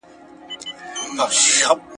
که وخت وي، ليکنې کوم،